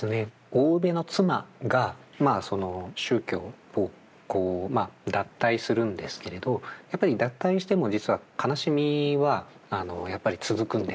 大生部の妻が宗教を脱退するんですけれどやっぱり脱退しても実は悲しみは続くんです。